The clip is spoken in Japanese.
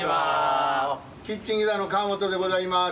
キッチン飛騨の河本でございます。